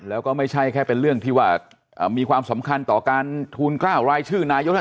แล้วก็ไม่ใช่แค่เป็นเรื่องที่ว่ามีความสำคัญต่อการทูล๙รายชื่อนายกแล้ว